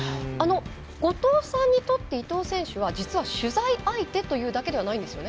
後藤さんにとって伊藤選手は実は取材相手というだけではないんですよね。